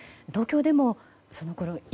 東京でもそのころ